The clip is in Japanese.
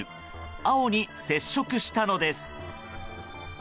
青に接触したのです。